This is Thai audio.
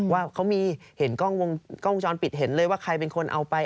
ว่าเขามีเห็นกล้องวงจรปิดเห็นเลยว่าใครเป็นคนเอาไป